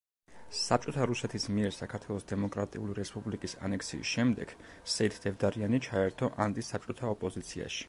საბჭოთა რუსეთის მიერ საქართველოს დემოკრატიული რესპუბლიკის ანექსიის შემდეგ, სეით დევდარიანი ჩაერთო ანტი-საბჭოთა ოპოზიციაში.